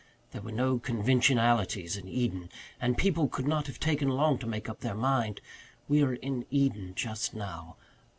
There were no conventionalities in Eden and people could not have taken long to make up their minds. We are in Eden just now.